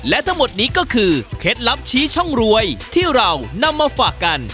และทั้งหมดนี้ก็คือเคล็ดลับชี้ช่องรวยที่เรานำมาฝากกัน